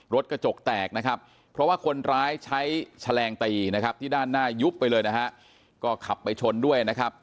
รถกระจกแตกนะครับเพราะว่าคนร้ายใช้แฉลงตีนะครับที่ด้านหน้ายุบไปเลยนะฮะ